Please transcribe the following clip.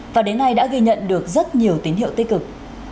và đến nay đã ghi nhận được rất nhiều tín hiệu tích cực